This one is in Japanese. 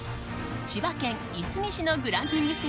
千葉県いすみ市のグランピング施設